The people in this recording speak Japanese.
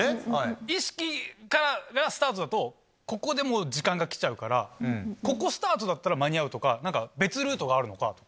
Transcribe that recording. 意識がスタートだとここでもう時間が来ちゃうからここスタートだったら間に合うとか何か別ルートがあるのかとか。